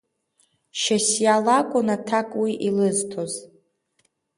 Шьасиа лакәын аҭак уи илызҭоз.